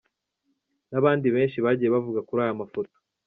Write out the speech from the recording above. n’abandi benshi bagiye bavuga kuri aya mafoto.